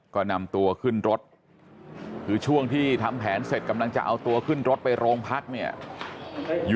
ก็นำตัวขึ้นรถคือช่วงที่ทำแผนเสร็จกำลังจะเอาตัวขึ้นรถไปโรงพักเนี่ย